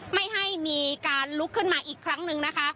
ไม่ให้มีการลุกขึ้นมาอีกครั้งหนึ่งนะคะ